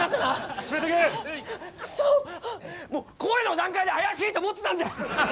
声の段階で怪しいと思ってたんだよ！